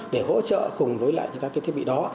để hỗ trợ cùng với lại những các cái thiết bị đó